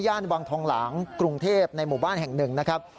วังทองหลางกรุงเทพในหมู่บ้านแห่งหนึ่งนะครับ